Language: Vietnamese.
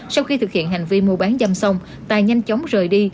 sau khi thực hiện hành vi mua bán dâm xong tài nhanh chóng rời đi